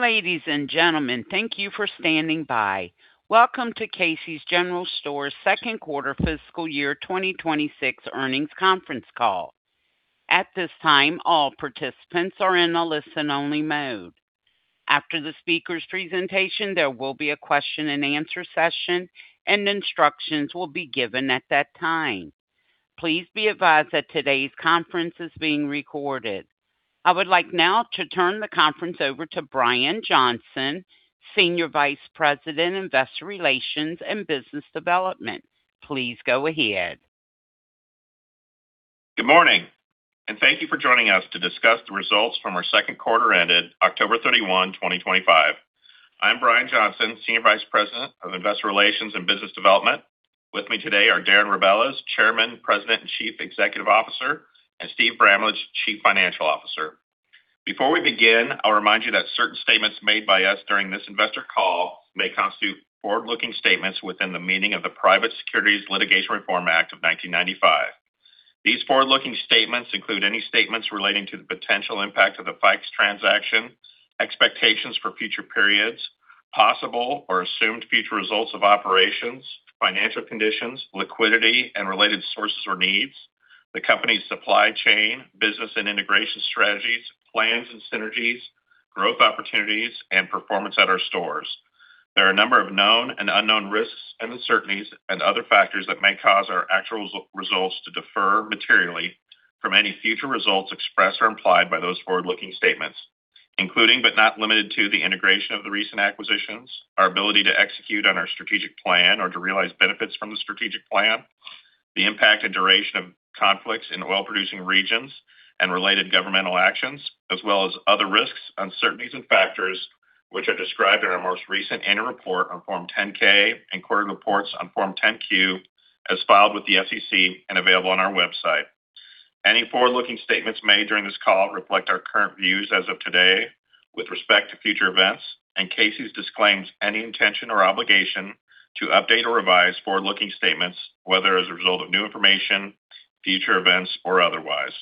Ladies and gentlemen, thank you for standing by. Welcome to Casey's General Stores second quarter fiscal year 2026 earnings conference call. At this time, all participants are in a listen-only mode. After the speaker's presentation, there will be a question-and-answer session, and instructions will be given at that time. Please be advised that today's conference is being recorded. I would like now to turn the conference over to Brian Johnson, Senior Vice President, Investor Relations and Business Development. Please go ahead. Good morning, and thank you for joining us to discuss the results from our second quarter ended October 31, 2025. I'm Brian Johnson, Senior Vice President of Investor Relations and Business Development. With me today are Darren Rebelez, Chairman, President, and Chief Executive Officer, and Steve Bramlage, Chief Financial Officer. Before we begin, I'll remind you that certain statements made by us during this investor call may constitute forward-looking statements within the meaning of the Private Securities Litigation Reform Act of 1995. These forward-looking statements include any statements relating to the potential impact of the FICOS transaction, expectations for future periods, possible or assumed future results of operations, financial conditions, liquidity, and related sources or needs, the company's supply chain, business and integration strategies, plans and synergies, growth opportunities, and performance at our stores. There are a number of known and unknown risks and uncertainties and other factors that may cause our actual results to differ materially from any future results expressed or implied by those forward-looking statements, including but not limited to the integration of the recent acquisitions, our ability to execute on our strategic plan or to realize benefits from the strategic plan, the impact and duration of conflicts in oil-producing regions and related governmental actions, as well as other risks, uncertainties, and factors which are described in our most recent annual report on Form 10-K and quarterly reports on Form 10-Q as filed with the SEC and available on our website. Any forward-looking statements made during this call reflect our current views as of today with respect to future events, and Casey's disclaims any intention or obligation to update or revise forward-looking statements, whether as a result of new information, future events, or otherwise.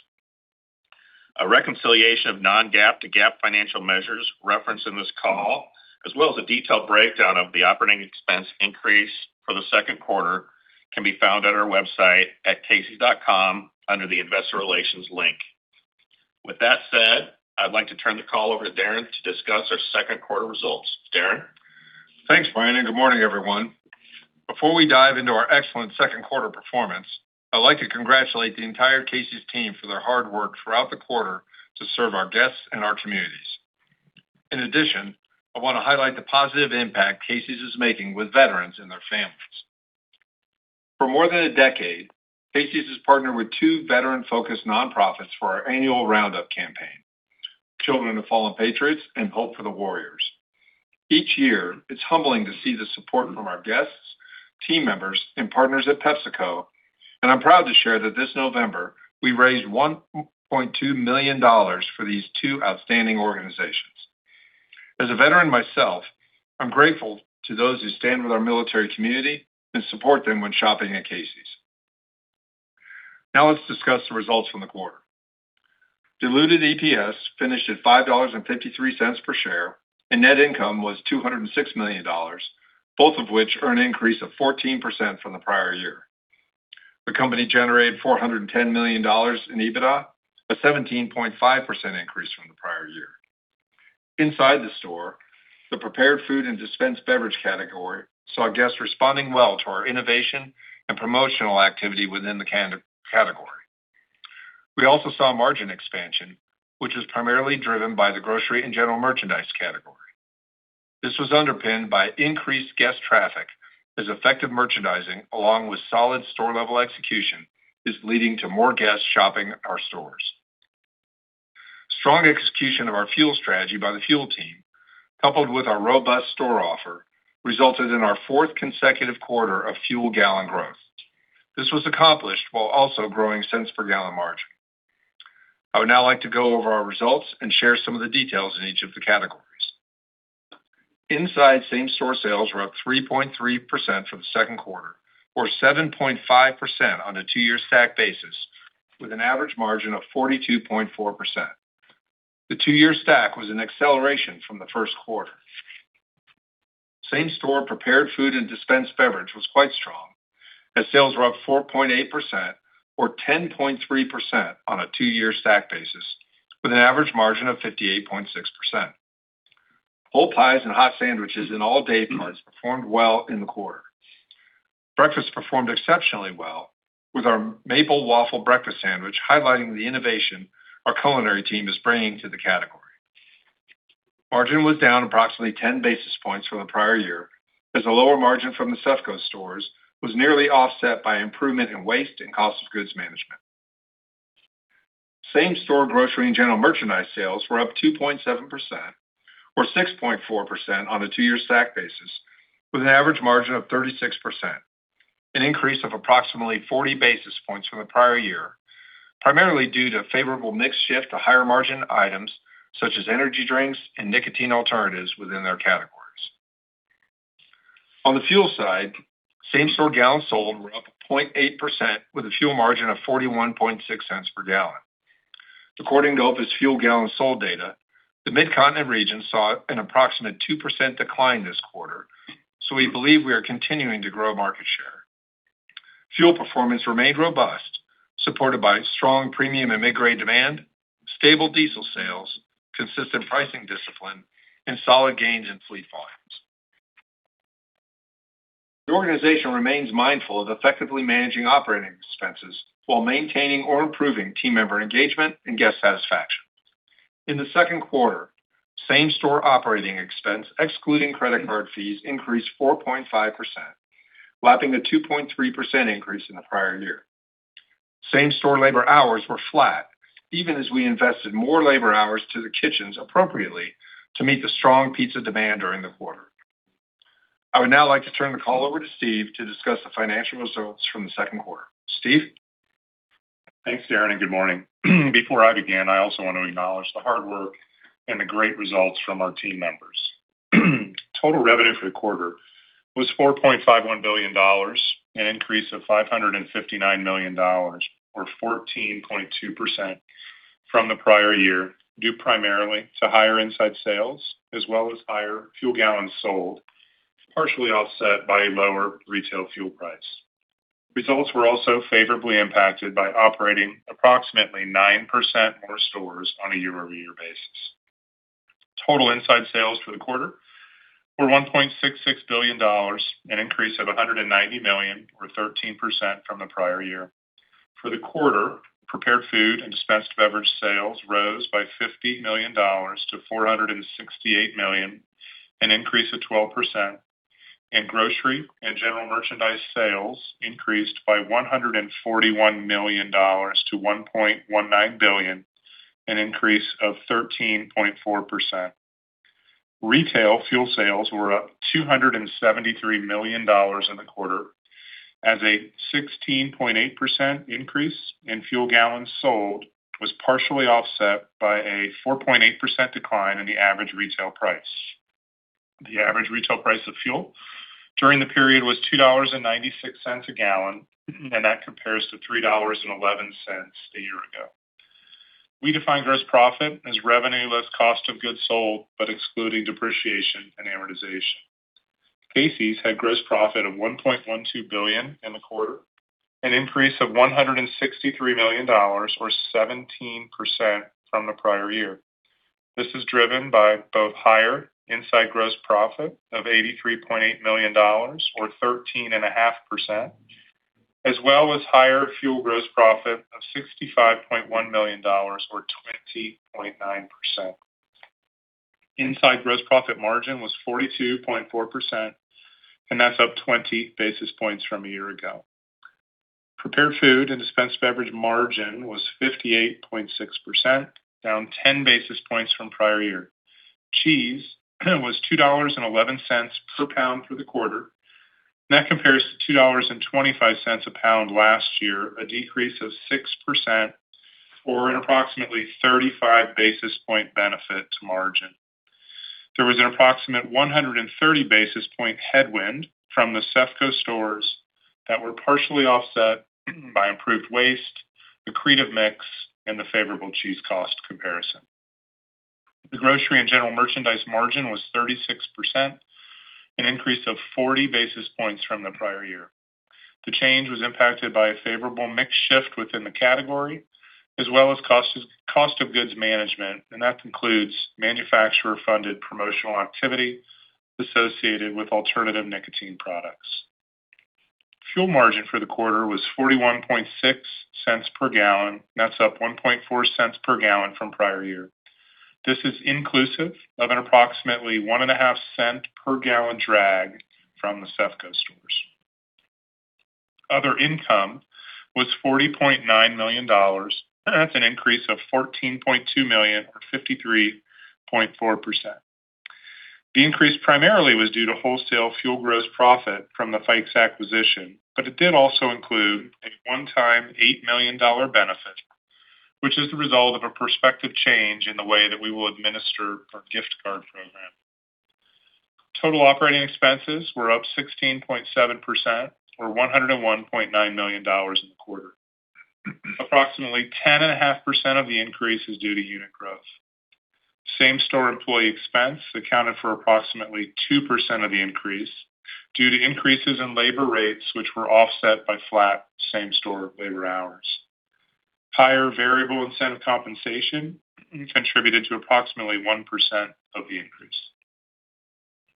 A reconciliation of non-GAAP to GAAP financial measures referenced in this call, as well as a detailed breakdown of the operating expense increase for the second quarter, can be found at our website at casey.com under the Investor Relations link. With that said, I'd like to turn the call over to Darren to discuss our second quarter results. Darren. Thanks, Brian, and good morning, everyone. Before we dive into our excellent second quarter performance, I'd like to congratulate the entire Casey's team for their hard work throughout the quarter to serve our guests and our communities. In addition, I want to highlight the positive impact Casey's is making with veterans and their families. For more than a decade, Casey's has partnered with two veteran-focused nonprofits for our annual roundup campaign, Children of Fallen Patriots and Hope for the Warriors. Each year, it's humbling to see the support from our guests, team members, and partners at PepsiCo, and I'm proud to share that this November, we raised $1.2 million for these two outstanding organizations. As a veteran myself, I'm grateful to those who stand with our military community and support them when shopping at Casey's. Now let's discuss the results from the quarter. Diluted EPS finished at $5.53 per share, and net income was $206 million, both of which earned an increase of 14% from the prior year. The company generated $410 million in EBITDA, a 17.5% increase from the prior year. Inside the store, the prepared food and dispensed beverage category saw guests responding well to our innovation and promotional activity within the category. We also saw margin expansion, which was primarily driven by the grocery and general merchandise category. This was underpinned by increased guest traffic as effective merchandising, along with solid store-level execution, is leading to more guests shopping our stores. Strong execution of our fuel strategy by the fuel team, coupled with our robust store offer, resulted in our fourth consecutive quarter of fuel gallon growth. This was accomplished while also growing cents per gallon margin. I would now like to go over our results and share some of the details in each of the categories. Inside, same store sales were up 3.3% for the second quarter, or 7.5% on a two-year stack basis, with an average margin of 42.4%. The two-year stack was an acceleration from the first quarter. Same store prepared food and dispensed beverage was quite strong, as sales were up 4.8%, or 10.3% on a two-year stack basis, with an average margin of 58.6%. Whole pies and hot sandwiches in all day parts performed well in the quarter. Breakfast performed exceptionally well, with our maple waffle breakfast sandwich highlighting the innovation our culinary team is bringing to the category. Margin was down approximately 10 basis points from the prior year, as the lower margin from the SEFCOS stores was nearly offset by improvement in waste and cost of goods management. Same-store grocery and general merchandise sales were up 2.7%, or 6.4% on a two-year stack basis, with an average margin of 36%, an increase of approximately 40 basis points from the prior year, primarily due to favorable mix shift to higher margin items such as energy drinks and nicotine alternatives within their categories. On the fuel side, same-store gallons sold were up 0.8%, with a fuel margin of 41.6 cents per gallon. According to Opus fuel gallons sold data, the Midcontinent region saw an approximate 2% decline this quarter, so we believe we are continuing to grow market share. Fuel performance remained robust, supported by strong premium and mid-grade demand, stable diesel sales, consistent pricing discipline, and solid gains in fleet volumes. The organization remains mindful of effectively managing operating expenses while maintaining or improving team member engagement and guest satisfaction. In the second quarter, same store operating expense, excluding credit card fees, increased 4.5%, lapping a 2.3% increase in the prior year. Same store labor hours were flat, even as we invested more labor hours to the kitchens appropriately to meet the strong pizza demand during the quarter. I would now like to turn the call over to Steve to discuss the financial results from the second quarter. Steve? Thanks, Darren, and good morning. Before I begin, I also want to acknowledge the hard work and the great results from our team members. Total revenue for the quarter was $4.51 billion, an increase of $559 million, or 14.2% from the prior year, due primarily to higher inside sales as well as higher fuel gallons sold, partially offset by a lower retail fuel price. Results were also favorably impacted by operating approximately nine% more stores on a year-over-year basis. Total inside sales for the quarter were $1.66 billion, an increase of $190 million, or 13% from the prior year. For the quarter, prepared food and dispensed beverage sales rose by $50 million to $468 million, an increase of 12%, and grocery and general merchandise sales increased by $141 million to $1.19 billion, an increase of 13.4%. Retail fuel sales were up $273 million in the quarter, as a 16.8% increase in fuel gallons sold was partially offset by a 4.8% decline in the average retail price. The average retail price of fuel during the period was $2.96 a gallon, and that compares to $3.11 a year ago. We define gross profit as revenue less cost of goods sold, but excluding depreciation and amortization. Casey's had gross profit of $1.12 billion in the quarter, an increase of $163 million, or 17% from the prior year. This is driven by both higher inside gross profit of $83.8 million, or 13.5%, as well as higher fuel gross profit of $65.1 million, or 20.9%. Inside gross profit margin was 42.4%, and that's up 20 basis points from a year ago. Prepared food and dispensed beverage margin was 58.6%, down 10 basis points from prior year. Cheese was $2.11 per pound for the quarter. That compares to $2.25 a pound last year, a decrease of 6%, or an approximately 35 basis point benefit to margin. There was an approximate 130 basis point headwind from the CEFCOs stores that were partially offset by improved waste, the creative mix, and the favorable cheese cost comparison. The grocery and general merchandise margin was 36%, an increase of 40 basis points from the prior year. The change was impacted by a favorable mix shift within the category, as well as cost of goods management, and that includes manufacturer-funded promotional activity associated with alternative nicotine products. Fuel margin for the quarter was 41.6 cents per gallon, and that's up 1.4 cents per gallon from prior year. This is inclusive of an approximately 1.5 cent per gallon drag from the CEFCOs stores. Other income was $40.9 million, and that's an increase of $14.2 million, or 53.4%. The increase primarily was due to wholesale fuel gross profit from the Fikes acquisition, but it did also include a one-time $8 million benefit, which is the result of a prospective change in the way that we will administer our gift card program. Total operating expenses were up 16.7%, or $101.9 million in the quarter. Approximately 10.5% of the increase is due to unit growth. Same store employee expense accounted for approximately 2% of the increase due to increases in labor rates, which were offset by flat same store labor hours. Higher variable incentive compensation contributed to approximately 1% of the increase.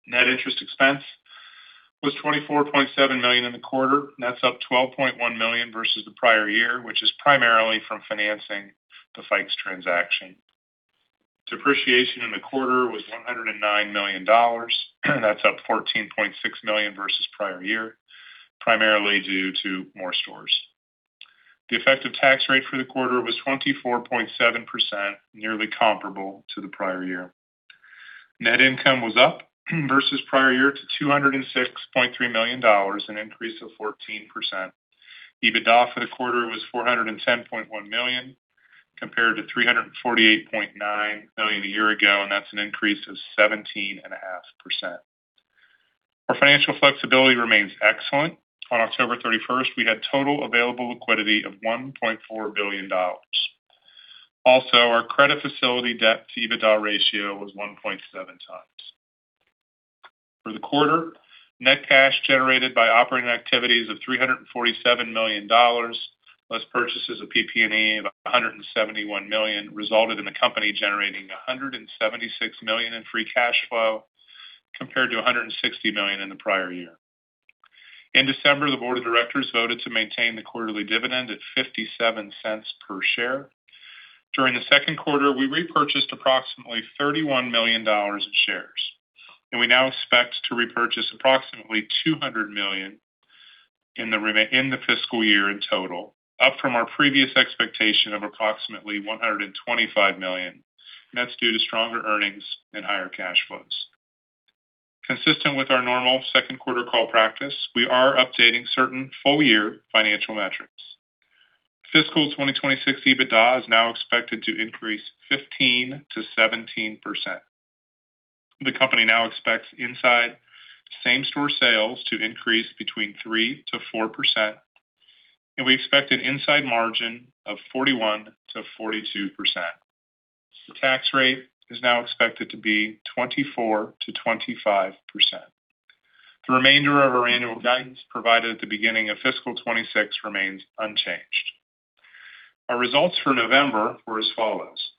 Net interest expense was $24.7 million in the quarter. That's up $12.1 million versus the prior year, which is primarily from financing the Fikes transaction. Depreciation in the quarter was $109 million, and that's up $14.6 million versus prior year, primarily due to more stores. The effective tax rate for the quarter was 24.7%, nearly comparable to the prior year. Net income was up versus prior year to $206.3 million, an increase of 14%. EBITDA for the quarter was $410.1 million, compared to $348.9 million a year ago, and that's an increase of 17.5%. Our financial flexibility remains excellent. On October 31st, we had total available liquidity of $1.4 billion. Also, our credit facility debt to EBITDA ratio was 1.7 times. For the quarter, net cash generated by operating activities of $347 million, plus purchases of PP&E of $171 million, resulted in the company generating $176 million in free cash flow, compared to $160 million in the prior year. In December, the board of directors voted to maintain the quarterly dividend at $0.57 per share. During the second quarter, we repurchased approximately $31 million in shares, and we now expect to repurchase approximately $200 million in the fiscal year in total, up from our previous expectation of approximately $125 million, and that's due to stronger earnings and higher cash flows. Consistent with our normal second quarter call practice, we are updating certain full-year financial metrics. Fiscal 2026 EBITDA is now expected to increase 15%-17%. The company now expects inside same store sales to increase between 3%-4%, and we expect an inside margin of 41%-42%. The tax rate is now expected to be 24%-25%. The remainder of our annual guidance provided at the beginning of fiscal 2026 remains unchanged. Our results for November were as follows.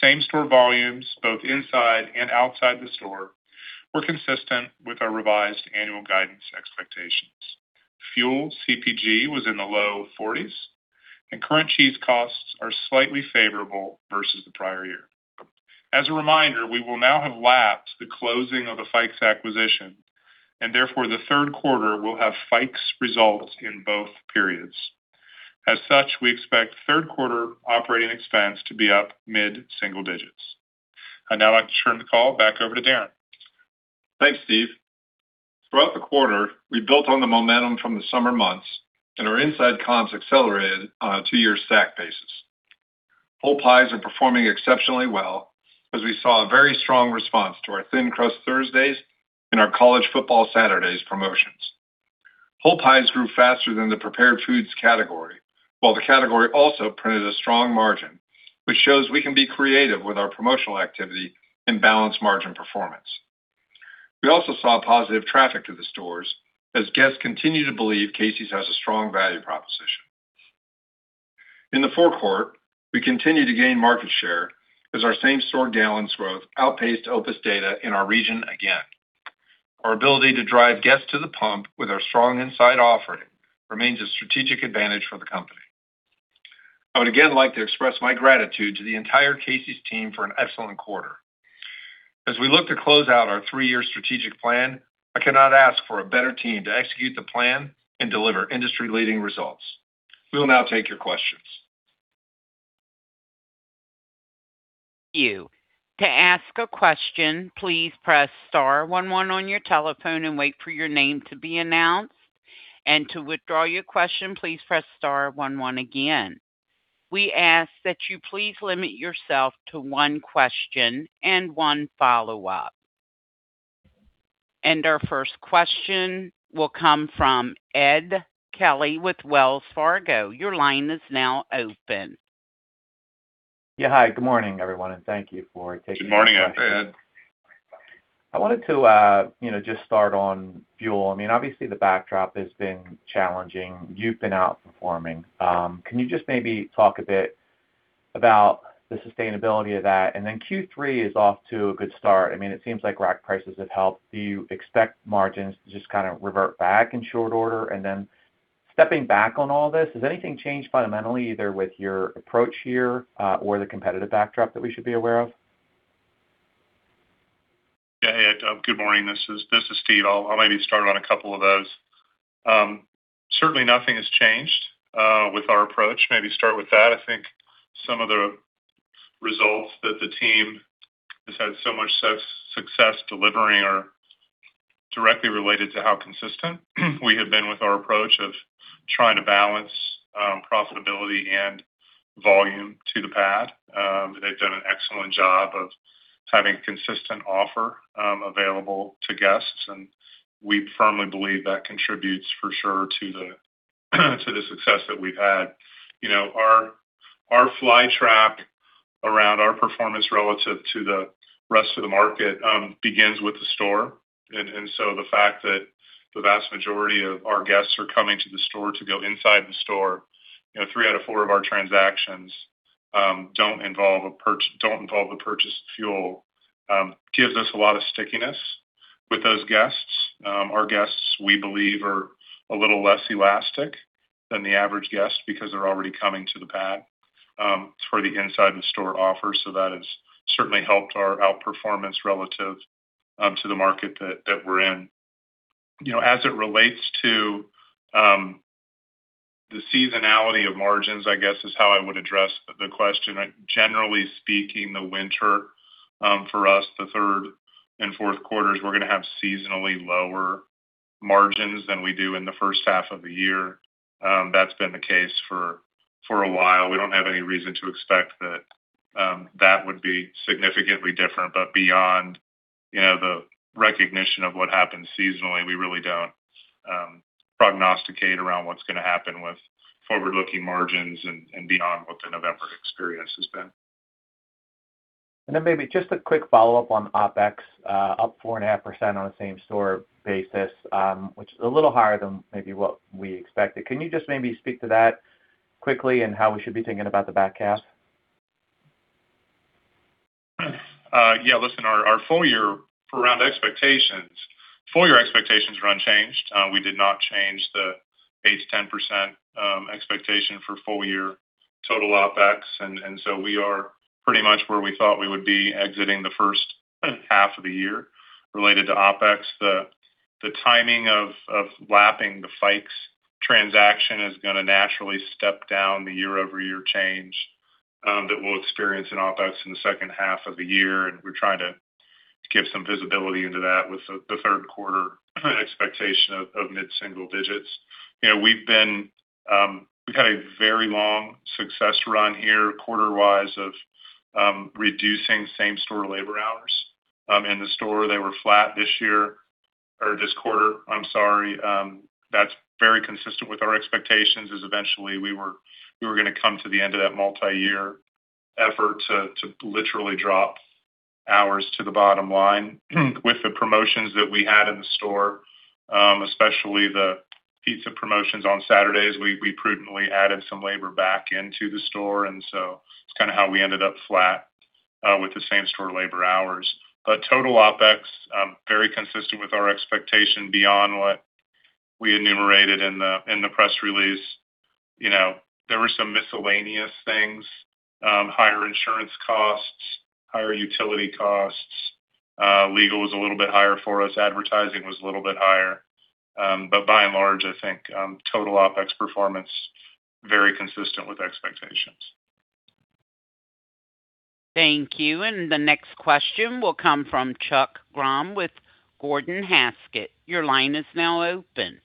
Same store volumes, both inside and outside the store, were consistent with our revised annual guidance expectations. Fuel CPG was in the low 40s, and current cheese costs are slightly favorable versus the prior year. As a reminder, we will now have lapped the closing of the FICOS acquisition, and therefore the third quarter will have FICOS results in both periods. As such, we expect third quarter operating expense to be up mid-single digits. I'd now like to turn the call back over to Darren. Thanks, Steve. Throughout the quarter, we built on the momentum from the summer months, and our inside comps accelerated on a two-year stack basis. Whole pies are performing exceptionally well, as we saw a very strong response to our Thin Crust Thursdays and our College Football Saturdays promotions. Whole pies grew faster than the prepared foods category, while the category also printed a strong margin, which shows we can be creative with our promotional activity and balance margin performance. We also saw positive traffic to the stores as guests continue to believe Casey's has a strong value proposition. In the fourth quarter, we continue to gain market share as our same store gallons growth outpaced OPIS data in our region again. Our ability to drive guests to the pump with our strong inside offering remains a strategic advantage for the company. I would again like to express my gratitude to the entire Casey's team for an excellent quarter. As we look to close out our three-year strategic plan, I cannot ask for a better team to execute the plan and deliver industry-leading results. We will now take your questions. Thank you. To ask a question, please press star 11 on your telephone and wait for your name to be announced, and to withdraw your question, please press star 11 again. We ask that you please limit yourself to one question and one follow-up, and our first question will come from Ed Kelly with Wells Fargo. Your line is now open. Yeah, hi. Good morning, everyone, and thank you for taking the time. Good morning, Ed. I wanted to just start on fuel. I mean, obviously, the backdrop has been challenging. You've been outperforming. Can you just maybe talk a bit about the sustainability of that? And then Q3 is off to a good start. I mean, it seems like rack prices have helped. Do you expect margins to just kind of revert back in short order? And then stepping back on all this, has anything changed fundamentally, either with your approach here or the competitive backdrop that we should be aware of? Okay. Good morning. This is Steve. I'll maybe start on a couple of those. Certainly, nothing has changed with our approach. Maybe start with that. I think some of the results that the team has had so much success delivering are directly related to how consistent we have been with our approach of trying to balance profitability and volume to the pad. They've done an excellent job of having a consistent offer available to guests, and we firmly believe that contributes for sure to the success that we've had. Our fly track around our performance relative to the rest of the market begins with the store. And so the fact that the vast majority of our guests are coming to the store to go inside the store, three out of four of our transactions don't involve a purchase of fuel, gives us a lot of stickiness with those guests. Our guests, we believe, are a little less elastic than the average guest because they're already coming to the pad for the inside of the store offer, so that has certainly helped our outperformance relative to the market that we're in. As it relates to the seasonality of margins, I guess, is how I would address the question. Generally speaking, the winter for us, the third and fourth quarters, we're going to have seasonally lower margins than we do in the first half of the year. That's been the case for a while. We don't have any reason to expect that that would be significantly different. But beyond the recognition of what happens seasonally, we really don't prognosticate around what's going to happen with forward-looking margins and beyond what the November experience has been. And then maybe just a quick follow-up on OPEX, up 4.5% on a same store basis, which is a little higher than maybe what we expected. Can you just maybe speak to that quickly and how we should be thinking about the back half? Yeah. Listen, our full-year expectations are unchanged. We did not change the 8%-10% expectation for full-year total OPEX, and so we are pretty much where we thought we would be exiting the first half of the year related to OPEX. The timing of lapping the FICOS transaction is going to naturally step down the year-over-year change that we'll experience in OPEX in the second half of the year, and we're trying to give some visibility into that with the third quarter expectation of mid-single digits. We've had a very long success run here quarter-wise of reducing same store labor hours in the store. They were flat this year or this quarter. I'm sorry. That's very consistent with our expectations, as eventually we were going to come to the end of that multi-year effort to literally drop hours to the bottom line. With the promotions that we had in the store, especially the pizza promotions on Saturdays, we prudently added some labor back into the store, and so it's kind of how we ended up flat with the same store labor hours. But total OPEX, very consistent with our expectation beyond what we enumerated in the press release. There were some miscellaneous things: higher insurance costs, higher utility costs. Legal was a little bit higher for us. Advertising was a little bit higher. But by and large, I think total OPEX performance very consistent with expectations. Thank you, and the next question will come from Chuck Grom with Gordon Haskett. Your line is now open.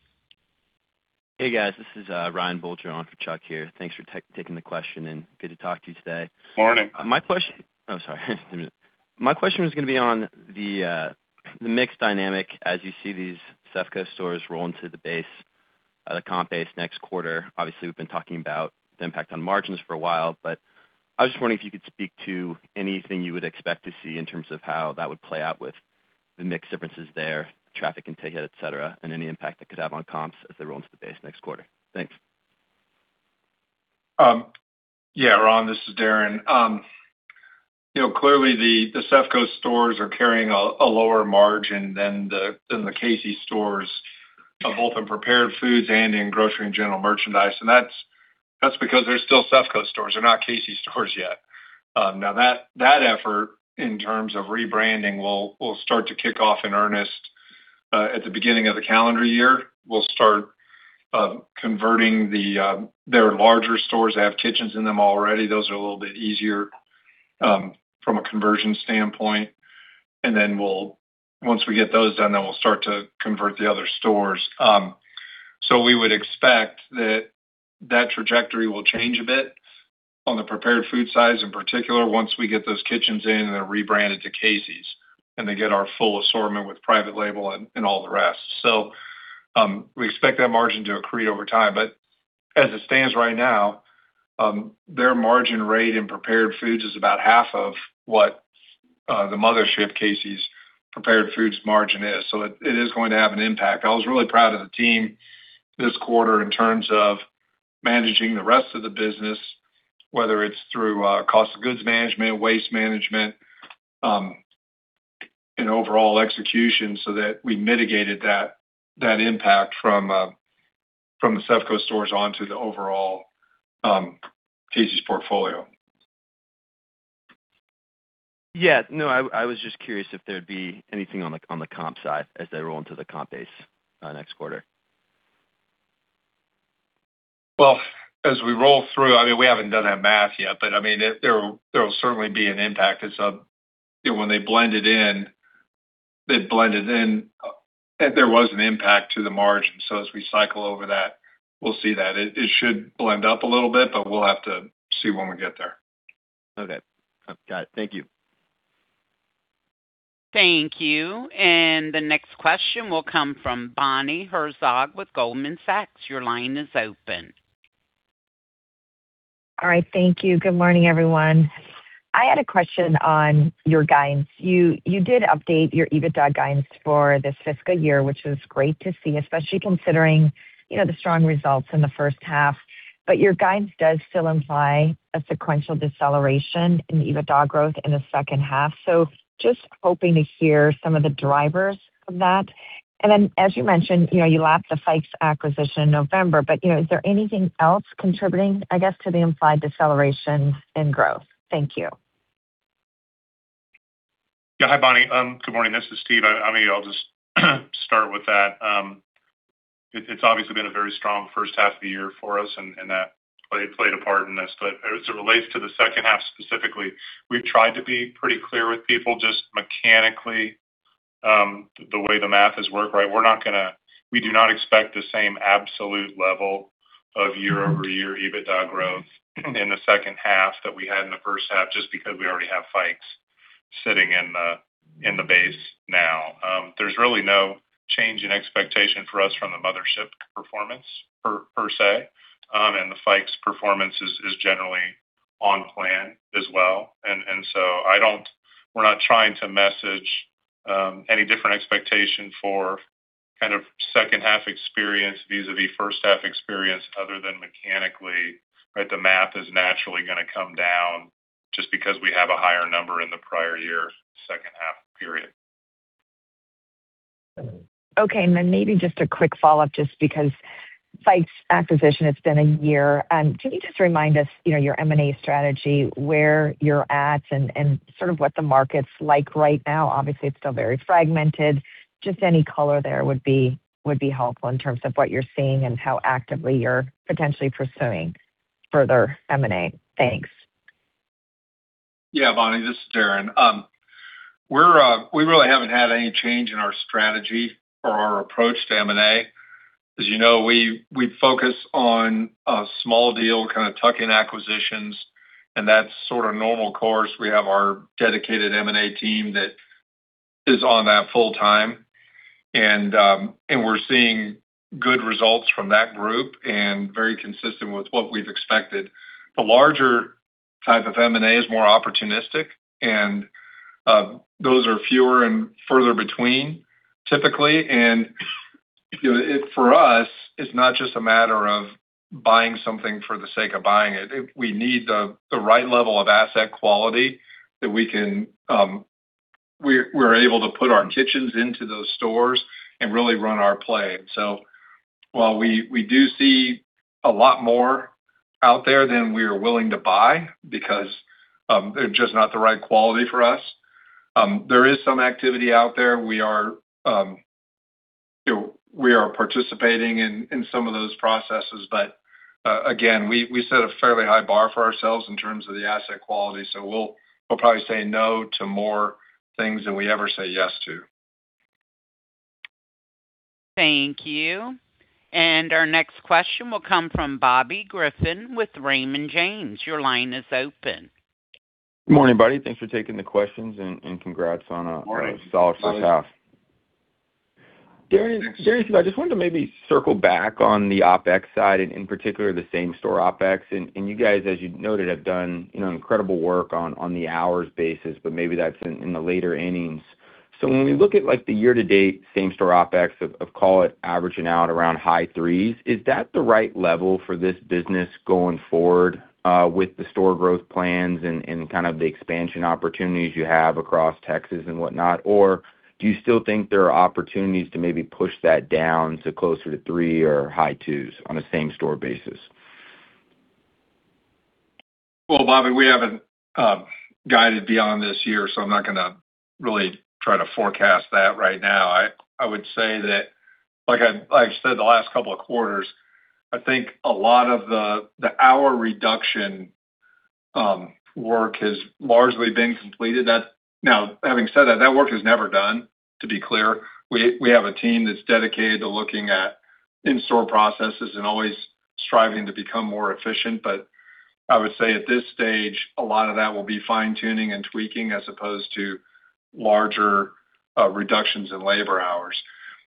Hey, guys. This is Ryan Bell with Chuck here. Thanks for taking the question, and good to talk to you today. Morning. My question, oh, sorry. My question was going to be on the mix dynamic as you see these SEFCOS stores roll into the base, the comp base next quarter. Obviously, we've been talking about the impact on margins for a while, but I was just wondering if you could speak to anything you would expect to see in terms of how that would play out with the mix differences there, traffic in Texas, etc., and any impact that could have on comps as they roll into the base next quarter. Thanks. Yeah, Ron, this is Darren. Clearly, the SEFCOS stores are carrying a lower margin than the Casey's stores of both in prepared foods and in grocery and general merchandise. And that's because they're still SEFCOS stores. They're not Casey's stores yet. Now, that effort in terms of rebranding will start to kick off in earnest at the beginning of the calendar year. We'll start converting their larger stores. They have kitchens in them already. Those are a little bit easier from a conversion standpoint. And then once we get those done, then we'll start to convert the other stores. So we would expect that that trajectory will change a bit on the prepared food size in particular once we get those kitchens in and they're rebranded to Casey's and they get our full assortment with private label and all the rest. So we expect that margin to accrete over time. But as it stands right now, their margin rate in prepared foods is about half of what the mothership, Casey's prepared foods margin is. So it is going to have an impact. I was really proud of the team this quarter in terms of managing the rest of the business, whether it's through cost of goods management, waste management, and overall execution, so that we mitigated that impact from the SEFCOS stores onto the overall Casey's portfolio. Yeah. No, I was just curious if there'd be anything on the comp side as they roll into the comp base next quarter. As we roll through, I mean, we haven't done that math yet, but I mean, there will certainly be an impact. When they blend it in, they blend it in, and there was an impact to the margin, so as we cycle over that, we'll see that. It should blend up a little bit, but we'll have to see when we get there. Okay. Got it. Thank you. Thank you. And the next question will come from Bonnie Herzog with Goldman Sachs. Your line is open. All right. Thank you. Good morning, everyone. I had a question on your guidance. You did update your EBITDA guidance for this fiscal year, which is great to see, especially considering the strong results in the first half. But your guidance does still imply a sequential deceleration in EBITDA growth in the second half. So just hoping to hear some of the drivers of that. And then, as you mentioned, you lapped the FICOS acquisition in November, but is there anything else contributing, I guess, to the implied deceleration in growth? Thank you. Yeah. Hi, Bonnie. Good morning. This is Steve. I mean, I'll just start with that. It's obviously been a very strong first half of the year for us, and that played a part in this. But as it relates to the second half specifically, we've tried to be pretty clear with people just mechanically the way the math has worked, right? We're not going to, we do not expect the same absolute level of year-over-year EBITDA growth in the second half that we had in the first half just because we already have FICOS sitting in the base now. There's really no change in expectation for us from the mothership performance per se, and the FICOS performance is generally on plan as well. And so we're not trying to message any different expectation for kind of second half experience vis-à-vis first half experience other than mechanically, right? The math is naturally going to come down just because we have a higher number in the prior year second half period. Okay. And then maybe just a quick follow-up just because Fikes acquisition, it's been a year. Can you just remind us your M&A strategy, where you're at, and sort of what the market's like right now? Obviously, it's still very fragmented. Just any color there would be helpful in terms of what you're seeing and how actively you're potentially pursuing further M&A. Thanks. Yeah, Bonnie, this is Darren. We really haven't had any change in our strategy or our approach to M&A. As you know, we focus on small deal kind of tuck-in acquisitions, and that's sort of normal course. We have our dedicated M&A team that is on that full time, and we're seeing good results from that group and very consistent with what we've expected. The larger type of M&A is more opportunistic, and those are fewer and further between typically. For us, it's not just a matter of buying something for the sake of buying it. We need the right level of asset quality that we're able to put our kitchens into those stores and really run our play. So while we do see a lot more out there than we are willing to buy because they're just not the right quality for us, there is some activity out there. We are participating in some of those processes, but again, we set a fairly high bar for ourselves in terms of the asset quality. So we'll probably say no to more things than we ever say yes to. Thank you. And our next question will come from Bobby Griffin with Raymond James. Your line is open. Good morning, buddy. Thanks for taking the questions and congrats on a solid first half. Darren, I just wanted to maybe circle back on the OpEx side and, in particular, the same store OpEx, and you guys, as you noted, have done incredible work on the hours basis, but maybe that's in the later innings, so when we look at the year-to-date same store OpEx of, call it, averaging out around high threes, is that the right level for this business going forward with the store growth plans and kind of the expansion opportunities you have across Texas and whatnot, or do you still think there are opportunities to maybe push that down to closer to three or high twos on a same store basis? Well, Bobby, we haven't guided beyond this year, so I'm not going to really try to forecast that right now. I would say that, like I said, the last couple of quarters, I think a lot of the hour reduction work has largely been completed. Now, having said that, that work is never done, to be clear. We have a team that's dedicated to looking at in-store processes and always striving to become more efficient. But I would say at this stage, a lot of that will be fine-tuning and tweaking as opposed to larger reductions in labor hours.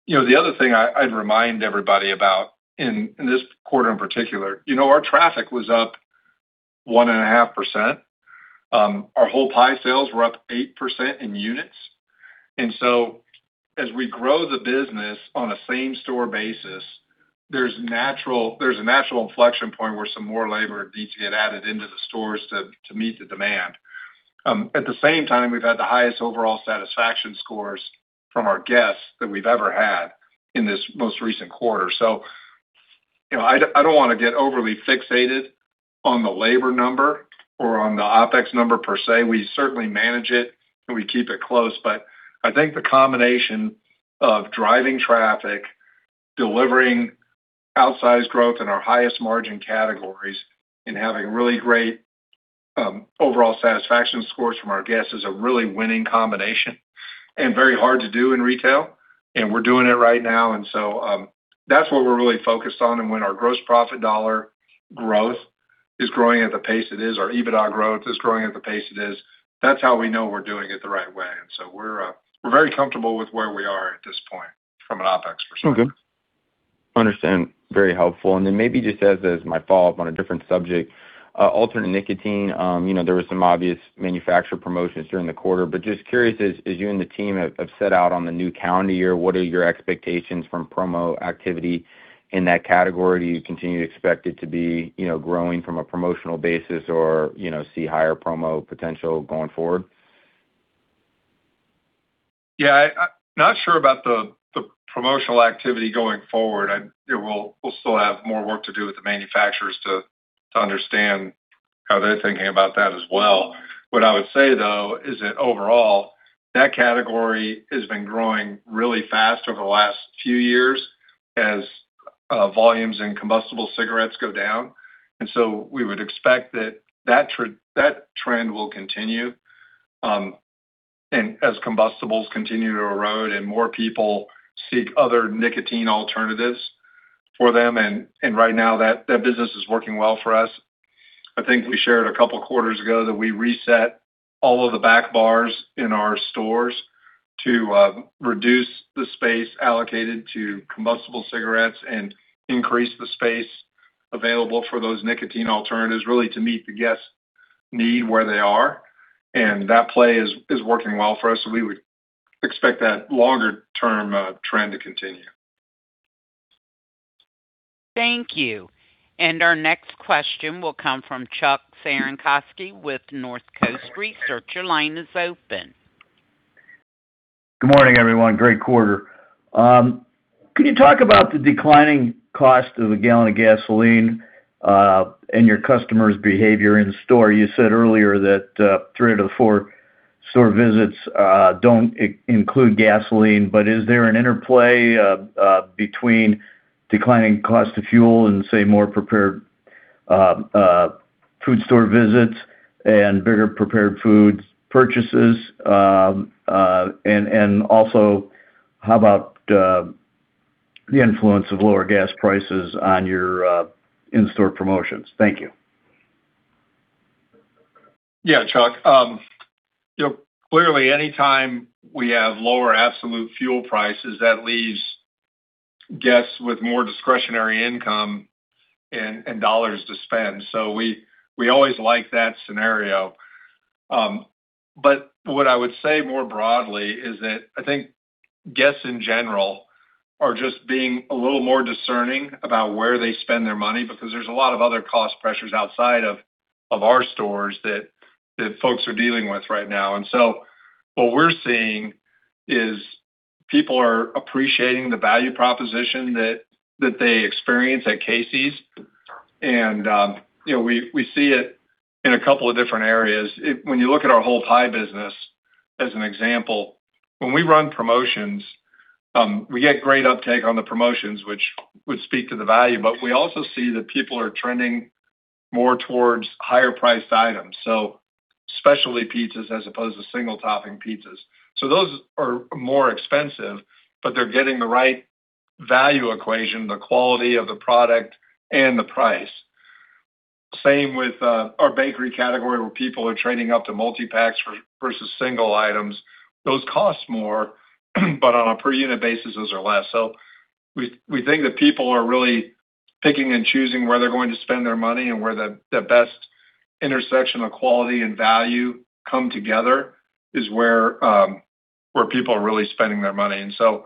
The other thing I'd remind everybody about in this quarter in particular, our traffic was up 1.5%. Our whole pie sales were up 8% in units. And so as we grow the business on a same store basis, there's a natural inflection point where some more labor needs to get added into the stores to meet the demand. At the same time, we've had the highest overall satisfaction scores from our guests that we've ever had in this most recent quarter. So I don't want to get overly fixated on the labor number or on the OPEX number per se. We certainly manage it, and we keep it close. But I think the combination of driving traffic, delivering outsized growth in our highest margin categories, and having really great overall satisfaction scores from our guests is a really winning combination and very hard to do in retail. And we're doing it right now. And so that's what we're really focused on. And when our gross profit dollar growth is growing at the pace it is, our EBITDA growth is growing at the pace it is, that's how we know we're doing it the right way. We're very comfortable with where we are at this point from an OPEX perspective. Understood. Very helpful. And then maybe just as my follow-up on a different subject, alternative nicotine, there were some obvious manufacturer promotions during the quarter. But just curious, as you and the team have set out on the new calendar year, what are your expectations from promo activity in that category? Do you continue to expect it to be growing from a promotional basis or see higher promo potential going forward? Yeah. I'm not sure about the promotional activity going forward. We'll still have more work to do with the manufacturers to understand how they're thinking about that as well. What I would say, though, is that overall, that category has been growing really fast over the last few years as volumes in combustible cigarettes go down. And so we would expect that that trend will continue as combustibles continue to erode and more people seek other nicotine alternatives for them. And right now, that business is working well for us. I think we shared a couple of quarters ago that we reset all of the back bars in our stores to reduce the space allocated to combustible cigarettes and increase the space available for those nicotine alternatives really to meet the guests' need where they are. And that play is working well for us. We would expect that longer-term trend to continue. Thank you. And our next question will come from Chuck Cerankosky with North Coast Research. Your line is open. Good morning, everyone. Great quarter. Can you talk about the declining cost of a gallon of gasoline and your customers' behavior in store? You said earlier that three out of the four store visits don't include gasoline. But is there an interplay between declining cost of fuel and, say, more prepared food store visits and bigger prepared food purchases? And also, how about the influence of lower gas prices on your in-store promotions? Thank you. Yeah, Chuck. Clearly, anytime we have lower absolute fuel prices, that leaves guests with more discretionary income and dollars to spend. So we always like that scenario. But what I would say more broadly is that I think guests in general are just being a little more discerning about where they spend their money because there's a lot of other cost pressures outside of our stores that folks are dealing with right now. And so what we're seeing is people are appreciating the value proposition that they experience at Casey's. And we see it in a couple of different areas. When you look at our whole pie business, as an example, when we run promotions, we get great uptake on the promotions, which would speak to the value. But we also see that people are trending more towards higher-priced items, so specialty pizzas as opposed to single-topping pizzas. So those are more expensive, but they're getting the right value equation, the quality of the product, and the price. Same with our bakery category where people are trading up to multi-packs versus single items. Those cost more, but on a per-unit basis, those are less. So we think that people are really picking and choosing where they're going to spend their money and where the best intersection of quality and value come together is where people are really spending their money. And so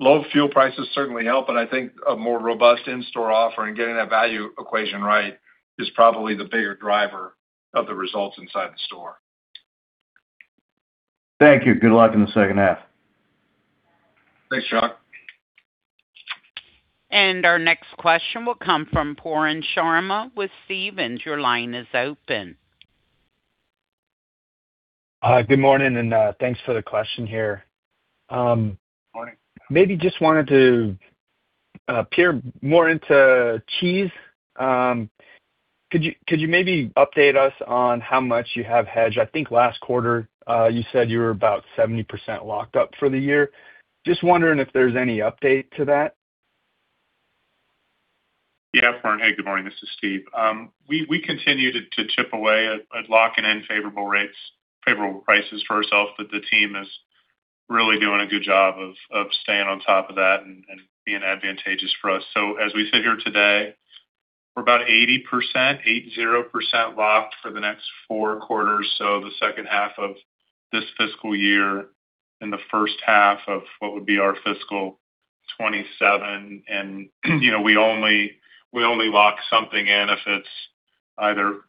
low fuel prices certainly help, but I think a more robust in-store offer and getting that value equation right is probably the bigger driver of the results inside the store. Thank you. Good luck in the second half. Thanks, Chuck. And our next question will come from Pooran Sharma with Stephens. Your line is open. Good morning, and thanks for the question here. Good morning. Maybe just wanted to peer more into cheese. Could you maybe update us on how much you have hedged? I think last quarter, you said you were about 70% locked up for the year. Just wondering if there's any update to that. Yeah. Pooran, hey, good morning. This is Steve. We continue to chip away at locking in favorable prices for ourselves, but the team is really doing a good job of staying on top of that and being advantageous for us. So as we sit here today, we're about 80%, 80% locked for the next four quarters, so the second half of this fiscal year and the first half of what would be our fiscal 2027. And we only lock something in if it's either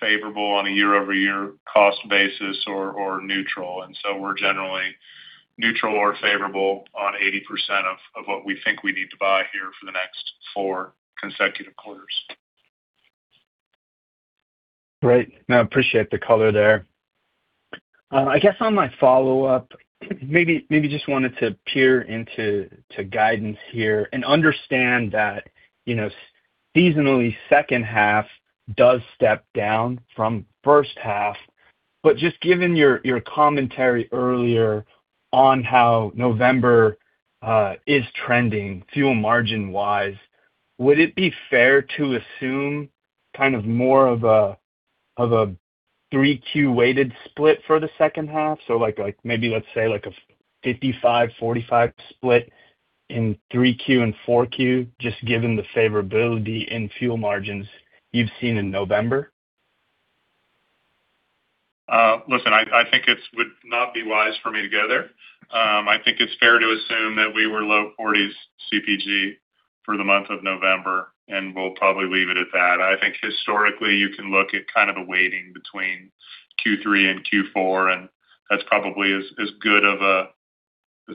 favorable on a year-over-year cost basis or neutral. And so we're generally neutral or favorable on 80% of what we think we need to buy here for the next four consecutive quarters. Great. No, appreciate the color there. I guess on my follow-up, maybe just wanted to peer into guidance here and understand that seasonally second half does step down from first half. But just given your commentary earlier on how November is trending fuel margin-wise, would it be fair to assume kind of more of a 3Q-weighted split for the second half? So maybe let's say a 55, 45 split in 3Q and 4Q, just given the favorability in fuel margins you've seen in November? Listen, I think it would not be wise for me to go there. I think it's fair to assume that we were low 40s CPG for the month of November, and we'll probably leave it at that. I think historically, you can look at kind of a weighting between Q3 and Q4, and that's probably as good of a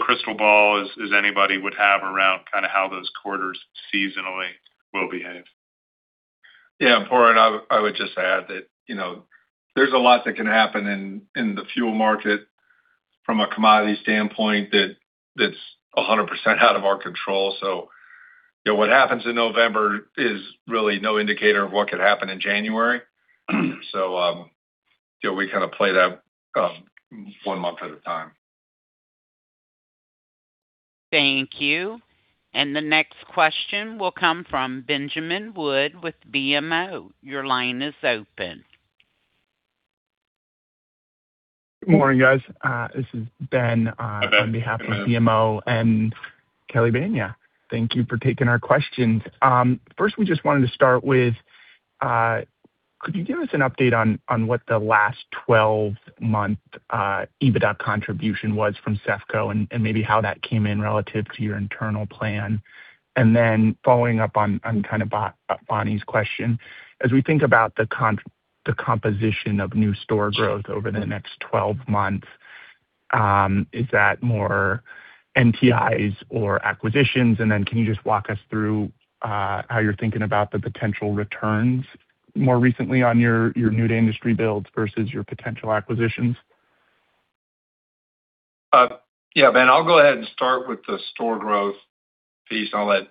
crystal ball as anybody would have around kind of how those quarters seasonally will behave. Yeah. Pooran, I would just add that there's a lot that can happen in the fuel market from a commodity standpoint that's 100% out of our control. So what happens in November is really no indicator of what could happen in January. So we kind of play that one month at a time. Thank you. And the next question will come from Ben Wood with BMO. Your line is open. Good morning, guys. This is Ben on behalf of BMO and Kelly Banya. Thank you for taking our questions. First, we just wanted to start with, could you give us an update on what the last 12-month EBITDA contribution was from CEFCO and maybe how that came in relative to your internal plan? And then following up on kind of Bonnie's question, as we think about the composition of new store growth over the next 12 months, is that more NTIs or acquisitions? And then can you just walk us through how you're thinking about the potential returns more recently on your new-to-industry builds versus your potential acquisitions? Yeah, Ben, I'll go ahead and start with the store growth piece, and I'll let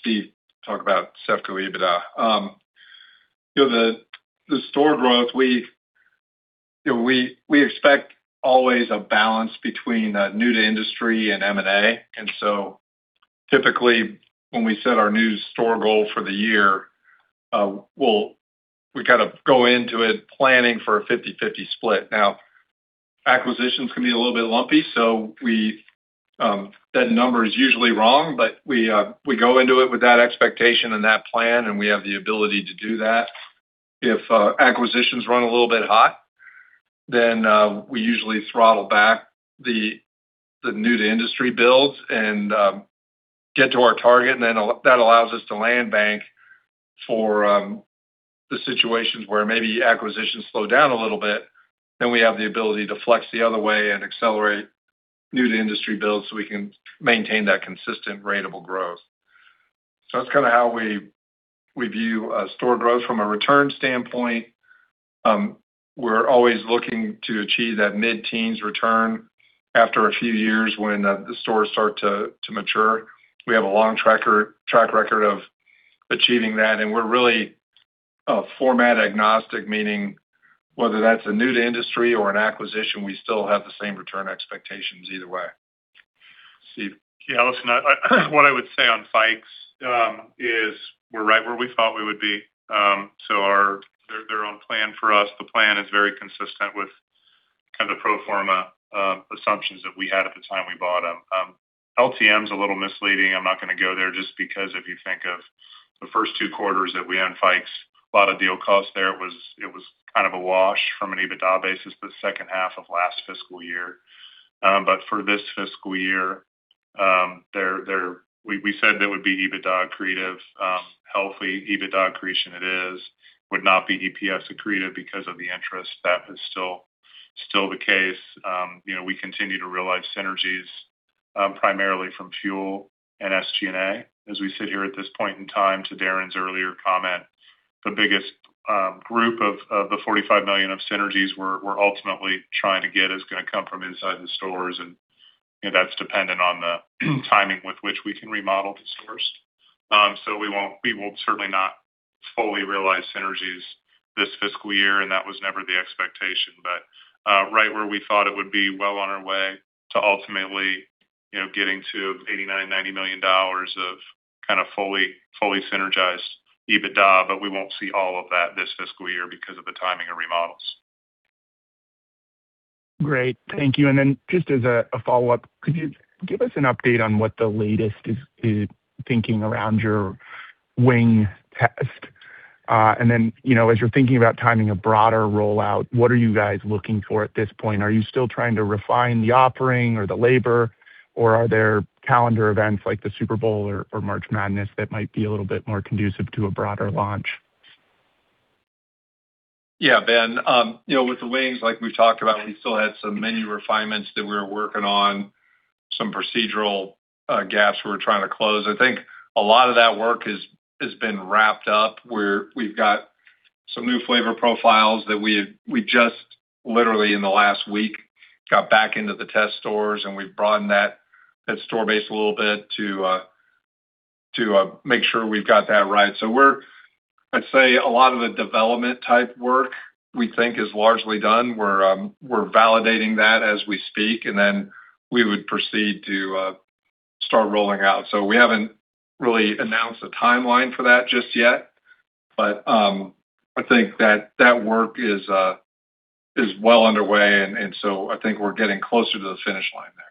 Steve talk about CEFCO EBITDA. The store growth, we expect always a balance between new-to-industry and M&A. And so typically, when we set our new store goal for the year, we kind of go into it planning for a 50/50 split. Now, acquisitions can be a little bit lumpy, so that number is usually wrong. But we go into it with that expectation and that plan, and we have the ability to do that. If acquisitions run a little bit hot, then we usually throttle back the new-to-industry builds and get to our target. And then that allows us to land bank for the situations where maybe acquisitions slow down a little bit. Then we have the ability to flex the other way and accelerate new-to-industry builds so we can maintain that consistent ratable growth. So that's kind of how we view store growth from a return standpoint. We're always looking to achieve that mid-teens return after a few years when the stores start to mature. We have a long track record of achieving that. And we're really format-agnostic, meaning whether that's a new-to-industry or an acquisition, we still have the same return expectations either way. Yeah. Listen, what I would say on Fikes is we're right where we thought we would be. So they're on plan for us. The plan is very consistent with kind of the pro forma assumptions that we had at the time we bought them. LTM is a little misleading. I'm not going to go there just because if you think of the first two quarters that we had in Fikes, a lot of deal cost there. It was kind of a wash from an EBITDA basis, the second half of last fiscal year, but for this fiscal year, we said that it would be EBITDA accretive. Healthy EBITDA accretion it is, would not be EPS accretive because of the interest. That is still the case. We continue to realize synergies primarily from fuel and SG&A as we sit here at this point in time. To Darren's earlier comment, the biggest group of the $45 million of synergies we're ultimately trying to get is going to come from inside the stores, and that's dependent on the timing with which we can remodel the stores, so we will certainly not fully realize synergies this fiscal year, and that was never the expectation. But right where we thought it would be, well on our way to ultimately getting to $89-$90 million of kind of fully synergized EBITDA, but we won't see all of that this fiscal year because of the timing of remodels. Great. Thank you. And then just as a follow-up, could you give us an update on what the latest is thinking around your wing test? And then as you're thinking about timing a broader rollout, what are you guys looking for at this point? Are you still trying to refine the offering or the labor, or are there calendar events like the Super Bowl or March Madness that might be a little bit more conducive to a broader launch? Yeah, Ben. With the wings, like we've talked about, we still had some menu refinements that we were working on, some procedural gaps we were trying to close. I think a lot of that work has been wrapped up. We've got some new flavor profiles that we just literally in the last week got back into the test stores, and we've broadened that store base a little bit to make sure we've got that right. So I'd say a lot of the development type work we think is largely done. We're validating that as we speak, and then we would proceed to start rolling out. So we haven't really announced a timeline for that just yet, but I think that work is well underway, and so I think we're getting closer to the finish line there.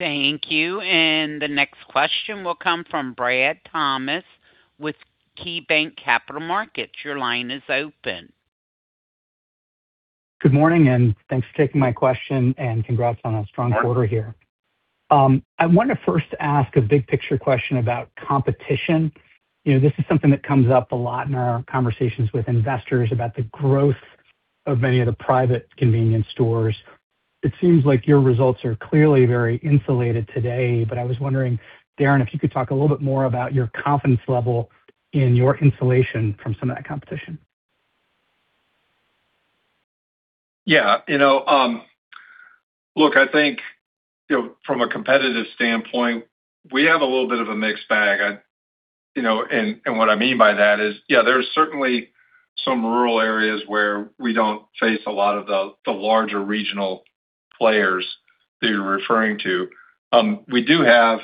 Thank you. And the next question will come from Brad Thomas with KeyBanc Capital Markets. Your line is open. Good morning, and thanks for taking my question, and congrats on a strong quarter here. I want to first ask a big-picture question about competition. This is something that comes up a lot in our conversations with investors about the growth of many of the private convenience stores. It seems like your results are clearly very insulated today, but I was wondering, Darren, if you could talk a little bit more about your confidence level in your insulation from some of that competition. Yeah. Look, I think from a competitive standpoint, we have a little bit of a mixed bag. And what I mean by that is, yeah, there's certainly some rural areas where we don't face a lot of the larger regional players that you're referring to. We do have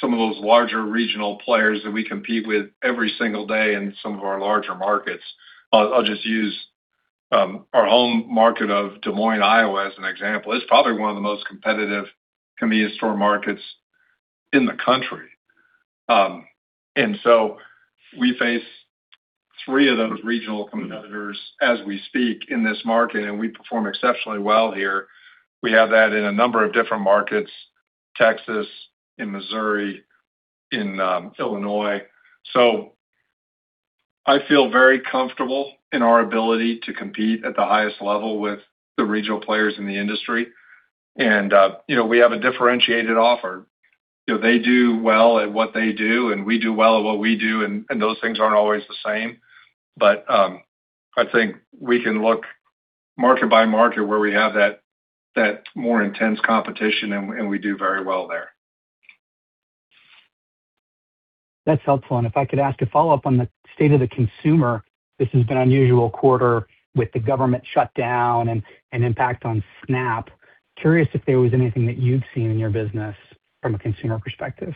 some of those larger regional players that we compete with every single day in some of our larger markets. I'll just use our home market of Des Moines, Iowa, as an example. It's probably one of the most competitive convenience store markets in the country. And so we face three of those regional competitors as we speak in this market, and we perform exceptionally well here. We have that in a number of different markets: Texas, in Missouri, in Illinois. So I feel very comfortable in our ability to compete at the highest level with the regional players in the industry. And we have a differentiated offer. They do well at what they do, and we do well at what we do, and those things aren't always the same. But I think we can look market by market where we have that more intense competition, and we do very well there. That's helpful, and if I could ask a follow-up on the state of the consumer, this has been an unusual quarter with the government shutdown and impact on SNAP. Curious if there was anything that you've seen in your business from a consumer perspective?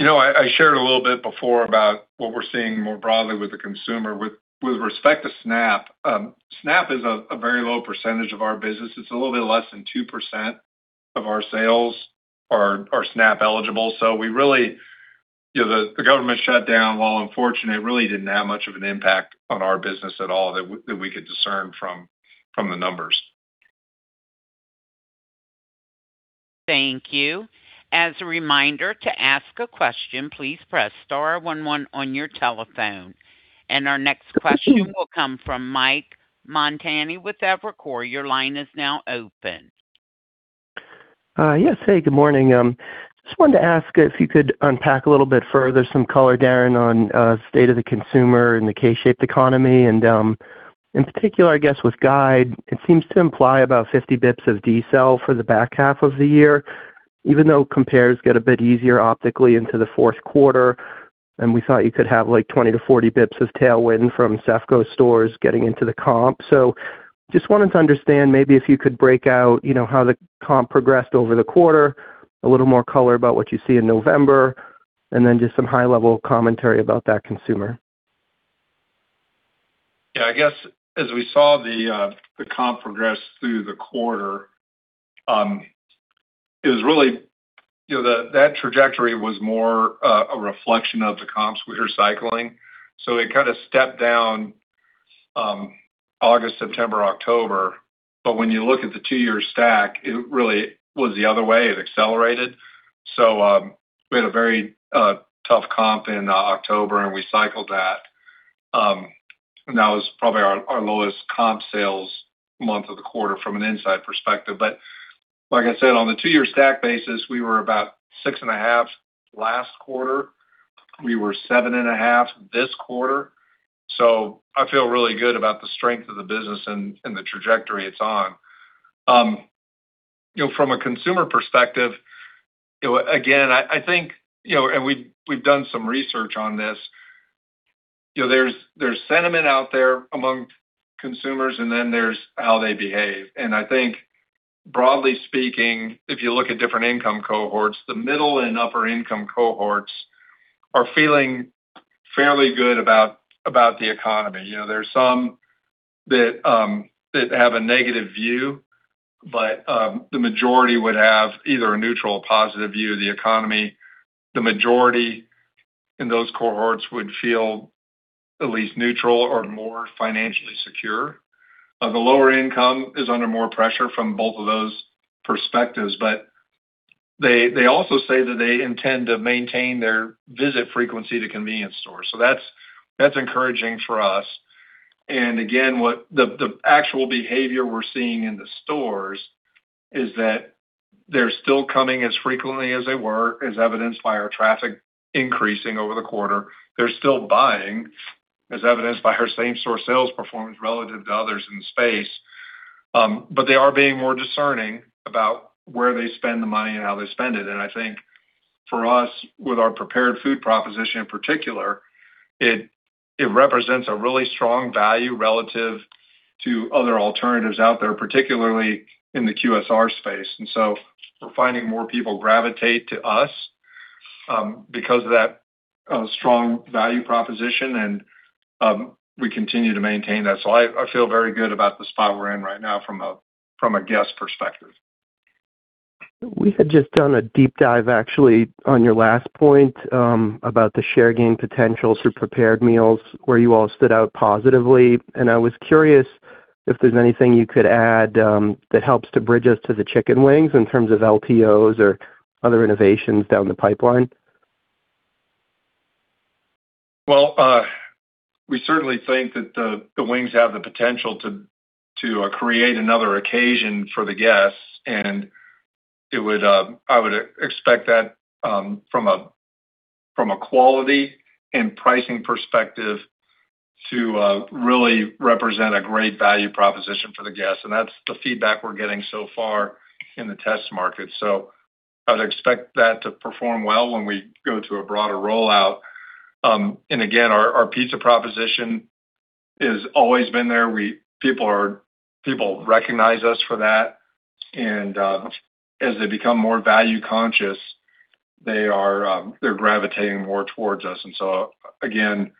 I shared a little bit before about what we're seeing more broadly with the consumer. With respect to SNAP, SNAP is a very low percentage of our business. It's a little bit less than 2% of our sales are SNAP eligible. So the government shutdown, while unfortunate, really didn't have much of an impact on our business at all that we could discern from the numbers. Thank you. As a reminder, to ask a question, please press star 11 on your telephone. And our next question will come from Mike Montani with Evercore. Your line is now open. Yes. Hey, good morning. Just wanted to ask if you could unpack a little bit further some color, Darren, on the state of the consumer and the K-shaped economy. And in particular, I guess with Guide, it seems to imply about 50 basis points of DSEL for the back half of the year, even though compares get a bit easier optically into the fourth quarter. And we thought you could have like 20-40 basis points of tailwind from CEFCO stores getting into the comp. So just wanted to understand maybe if you could break out how the comp progressed over the quarter, a little more color about what you see in November, and then just some high-level commentary about that consumer. Yeah. I guess as we saw the comp progress through the quarter, it was really that trajectory was more a reflection of the comps we were cycling, so it kind of stepped down August, September, October, but when you look at the two-year stack, it really was the other way. It accelerated, so we had a very tough comp in October, and we cycled that, and that was probably our lowest comp sales month of the quarter from an inside perspective, but like I said, on the two-year stack basis, we were about 6.5 last quarter. We were 7.5 this quarter, so I feel really good about the strength of the business and the trajectory it's on. From a consumer perspective, again, I think, and we've done some research on this, there's sentiment out there among consumers, and then there's how they behave. And I think, broadly speaking, if you look at different income cohorts, the middle and upper income cohorts are feeling fairly good about the economy. There's some that have a negative view, but the majority would have either a neutral or positive view of the economy. The majority in those cohorts would feel at least neutral or more financially secure. The lower income is under more pressure from both of those perspectives. But they also say that they intend to maintain their visit frequency to convenience stores. So that's encouraging for us. And again, the actual behavior we're seeing in the stores is that they're still coming as frequently as they were, as evidenced by our traffic increasing over the quarter. They're still buying, as evidenced by our same-store sales performance relative to others in the space. But they are being more discerning about where they spend the money and how they spend it. And I think for us, with our prepared food proposition in particular, it represents a really strong value relative to other alternatives out there, particularly in the QSR space. And so we're finding more people gravitate to us because of that strong value proposition, and we continue to maintain that. So I feel very good about the spot we're in right now from a guest perspective. We had just done a deep dive, actually, on your last point about the share gain potential through prepared meals where you all stood out positively, and I was curious if there's anything you could add that helps to bridge us to the chicken wings in terms of LTOs or other innovations down the pipeline. Well, we certainly think that the wings have the potential to create another occasion for the guests. And I would expect that from a quality and pricing perspective to really represent a great value proposition for the guests. And that's the feedback we're getting so far in the test market. So I would expect that to perform well when we go to a broader rollout. And again, our pizza proposition has always been there. People recognize us for that. And as they become more value-conscious, they're gravitating more towards us. And so again,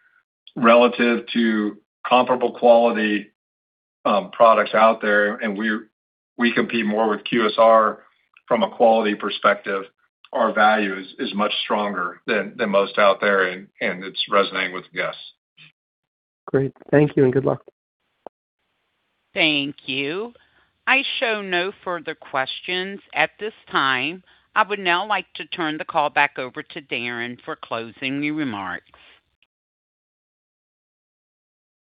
relative to comparable quality products out there, and we compete more with QSR from a quality perspective, our value is much stronger than most out there, and it's resonating with the guests. Great. Thank you and good luck. Thank you. I show no further questions at this time. I would now like to turn the call back over to Darren for closing remarks.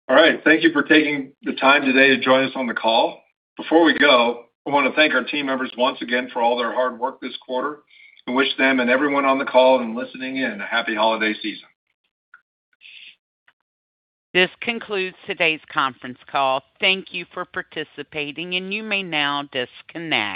All right. Thank you for taking the time today to join us on the call. Before we go, I want to thank our team members once again for all their hard work this quarter and wish them and everyone on the call and listening in a happy holiday season. This concludes today's conference call. Thank you for participating, and you may now disconnect.